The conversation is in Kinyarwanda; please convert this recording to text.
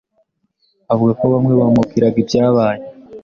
Avuga ko bamwe bamubwiraga ibyabaye